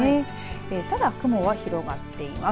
ただ、雲は広がっています。